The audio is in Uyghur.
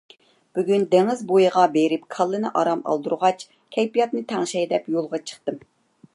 بۈگۈن دېڭىز بويىغا بېرىپ كاللىنى ئارام ئالدۇرغاچ كەيپىياتنى تەڭشەي دەپ يولغا چىقتىم.